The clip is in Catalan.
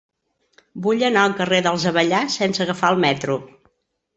Vull anar al carrer dels Avellà sense agafar el metro.